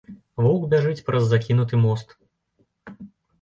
Воўк бяжыць праз закінуты мост.